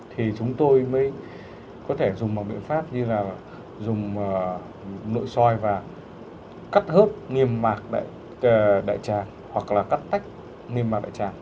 thì chúng tôi mới có thể dùng bằng biện pháp như là dùng nội soi và cắt hớp nghiêm mạc đại tràng hoặc là cắt tách nghiêm mạc đại tràng